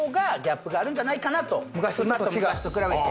今と昔と比べて。